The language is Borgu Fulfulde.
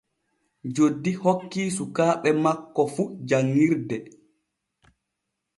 Joddi hokkii sukaaɓe makko fu janŋirde.